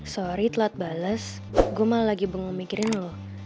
sorry telat bales gue malah lagi bengong mikirin lo